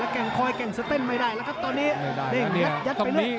แล้วแก่งคอยแก่งสเตนไม่ได้แล้วครับตอนนี้